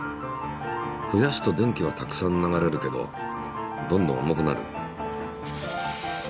増やすと電気はたくさん流れるけどどんどん重くなる。